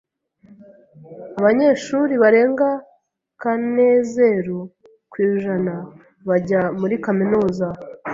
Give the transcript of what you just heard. Abanyeshuri barenga kanezeru ku ijana bajya muri kaminuza.